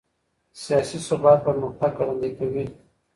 سياسي ثبات پرمختګ ګړندی کوي.